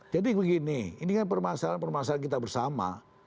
jadi begini ini kan permasalahan permasalahan kita bersama